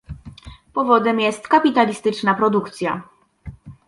Powodem jest kapitalistyczna produkcja